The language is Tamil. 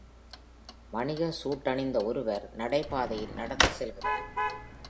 வணிக சூட் அணிந்த ஒருவர் நடைபாதையில் நடந்து செல்கிறார்.